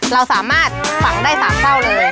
เราสามารถฝังได้๓เศร้าเลย